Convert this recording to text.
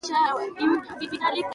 د ټولنې غړي د رایو له لارې ټاکل کیږي.